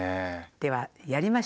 ではやりましょうか。